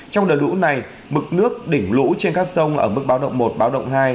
trong đợt lũ này mực nước đỉnh lũ trên các sông ở mức báo động một báo động hai